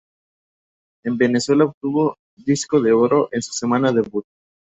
En Venezuela obtuvo disco de oro en su semana debut.